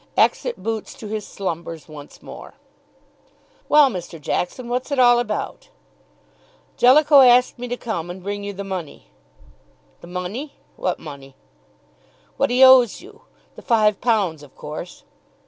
Exit boots to his slumbers once more. "Well, Mr. Jackson, what's it all about?" "Jellicoe asked me to come and bring you the money." "The money? What money?" "What he owes you; the five pounds, of course."